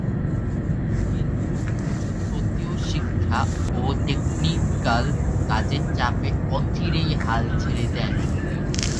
কিন্তু প্রচুর তত্ত্বীয় শিক্ষা ও টেকনিকাল কাজের চাপে অচিরেই হাল ছেড়ে দেন।